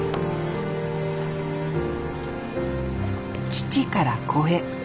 父から子へ。